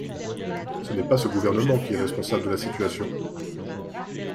Ce n’est pas ce Gouvernement qui est responsable de la situation.